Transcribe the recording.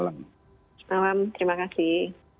selamat malam terima kasih